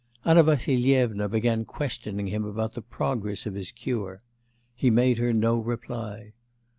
Anna Vassilyevna began questioning him about the progress of his cure; he made her no reply.